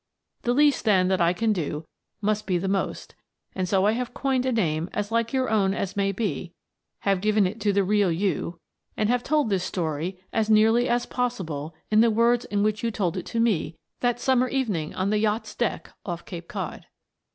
The least, then, that I can do must be the most, and so I have coined a name as like your own as may be, have given it to the real you — and have told this story as nearly as possible in the words in which you told it to me that summer evening on the yacht's deck off Cape Cod.